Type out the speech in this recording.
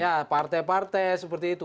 ya partai partai seperti itu